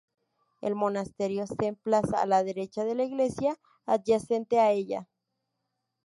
El monasterio se emplaza a la derecha de la iglesia, adyacente a ella.